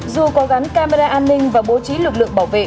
dù có gắn camera an ninh và bố trí lực lượng bảo vệ